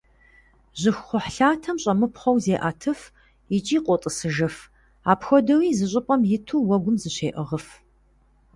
Жьыхукхъухьлъатэм щӏэмыпхъуэу зеӏэтыф икӏи къотӏысыжыф, апхуэдэуи зы щӏыпӏэм иту уэгум зыщеӏыгъыф.